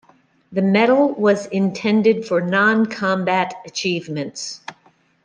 The medal was intended for non-combat achievements.